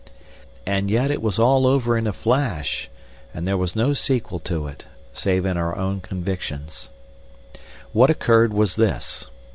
And yet it was all over in a flash, and there was no sequel to it, save in our own convictions. What occurred was this.